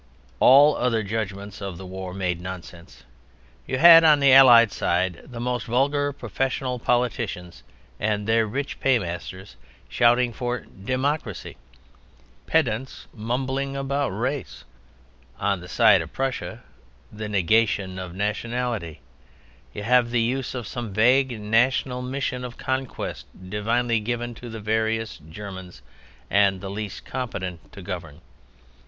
All other judgments of the war made nonsense: You had, on the Allied side, the most vulgar professional politicians and their rich paymasters shouting for "Democracy;" pedants mumbling about "Race." On the side of Prussia (the negation of nationality) you have the use of some vague national mission of conquest divinely given to the very various Germans and the least competent to govern.